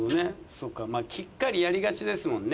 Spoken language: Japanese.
そっかきっかりやりがちですもんね。